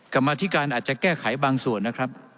กรรมธิการอาจจะแก้ไขบางส่วนนะครับ